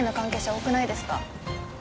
多くないですか？